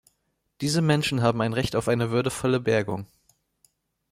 Diese Menschen haben ein Recht auf eine würdevolle Bergung.